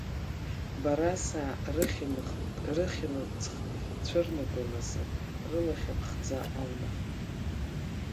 Барасаа, рыхьымӡӷ цәырнагон азы, рылахь аԥхӡы алнахуан.